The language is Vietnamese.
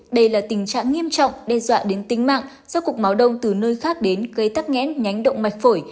đây là tình trạng nghiêm trọng đe dọa đến tính mạng do cục máu đông từ nơi khác đến gây tắc nghẽn nhánh động mạch phổi